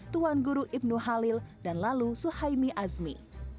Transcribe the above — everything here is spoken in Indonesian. tuan guru ibnu halil dan lalu suhaimi azmi